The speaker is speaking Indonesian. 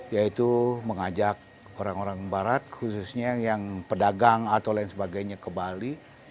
yaitu mengajak orang orang barat khususnya yang pedagang atau lain sebagainya ke bali